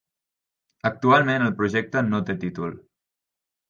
Actualment el projecte no té títol.